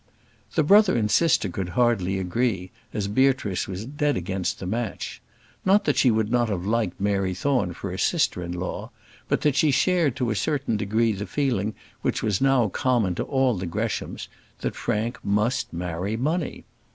The brother and sister could hardly agree, as Beatrice was dead against the match. Not that she would not have liked Mary Thorne for a sister in law, but that she shared to a certain degree the feeling which was now common to all the Greshams that Frank must marry money.